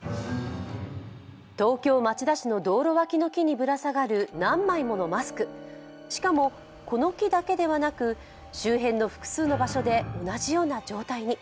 東京・町田市の道路脇の木にぶら下がる何枚ものマスク、しかもこの木だけではなく周辺の複数の場所で同じような状態に。